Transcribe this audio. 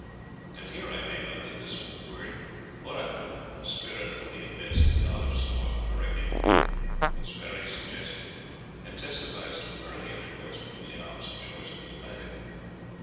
And here I may note that this word hurakan the spirit of the abyss, the god of storm, the hurricane is very suggestive, and testifies to an early intercourse between the opposite shores of the Atlantic.